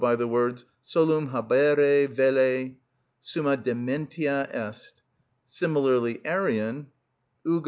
26) by the words: "Solum habere velle, summa dementia est." Similarly Arrian (iv.